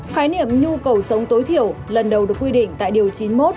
khái niệm nhu cầu sống tối thiểu lần đầu được quy định tại điều chín mươi một